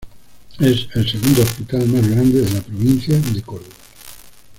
Es el segundo hospital más grande de la provincia de Córdoba.